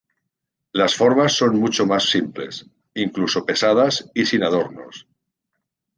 Las formas son mucho más simples, incluso pesadas y sin adornos.